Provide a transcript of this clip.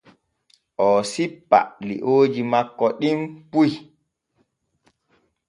Oo sippa liooji makko ɗim puy.